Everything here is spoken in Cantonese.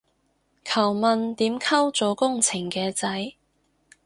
求問點溝做工程嘅仔